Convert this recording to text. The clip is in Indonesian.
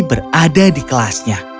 regi berada di kelasnya